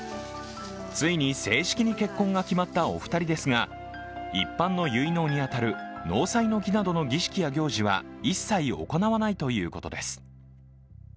ついに正式に結婚が決まったお二人ですが、一般の結納に当たる納采の儀などの儀式や行事は一切行わないということです。